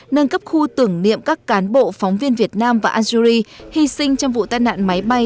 nâng cấp khu tưởng niệm các cán bộ phóng viên việt nam và algeri hy sinh trong vụ tai nạn máy bay